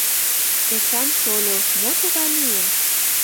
— Эчан шольо, мо тугай лийын?